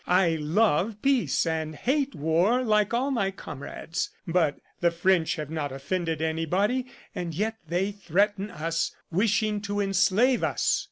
I love peace and hate war like all my comrades. But the French have not offended anybody, and yet they threaten us, wishing to enslave us.